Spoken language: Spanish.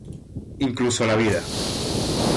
Incluso la vida.